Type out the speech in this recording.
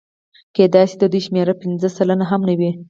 کېدای شي د دوی شمېره پنځه سلنه هم نه وي